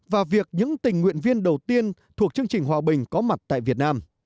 và việc những tình nguyện viên đầu tiên thuộc chương trình hòa bình có mặt tại việt nam